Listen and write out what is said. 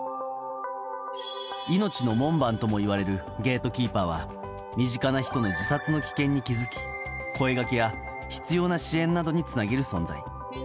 命の門番ともいわれるゲートキーパーは身近な人の自殺の危険に気づき声掛けや必要な支援などにつなげる存在。